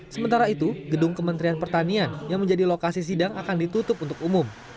sementara itu gedung kementerian pertanian yang menjadi lokasi sidang akan ditutup untuk umum